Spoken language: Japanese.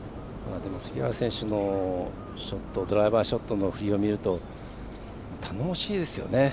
杉原選手のドライバーショットの振りを見ると頼もしいですよね。